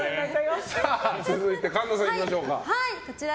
続いて神田さんいきましょうか。